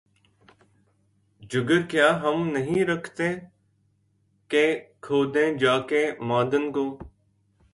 جگر کیا ہم نہیں رکھتے کہ‘ کھودیں جا کے معدن کو؟